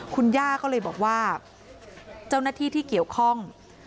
คุณย่าก็เลยบอกว่าเจ้าหน้าที่ที่เกี่ยวข้อง